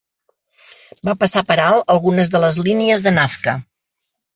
Va passar per alt algunes de les línies de Nazca.